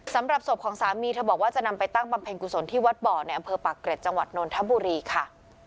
สำหรับศพของสามีเธอบอกว่าจะนำไปตั้งบำเพ็ญกุศลที่วัดบ่อในอำเภอปากเกร็ดจังหวัดนนทบุรีค่ะ